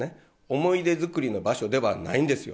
思い出作りの場所ではないんですよ。